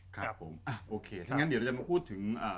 ครับผมโอเคถ้าอย่างนั้นเราจะมาพูดถึง